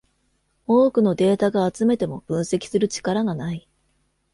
多くのデータが集めても分析する力がない